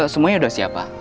semuanya udah siap pak